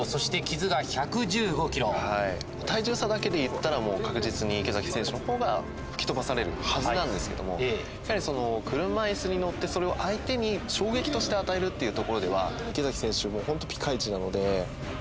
体重差だけでいったらもう確実に池崎選手のほうが吹き飛ばされるはずなんですけどもやはり車いすに乗ってそれを相手に衝撃として与えるっていうところでは池崎選手本当ピカイチなので。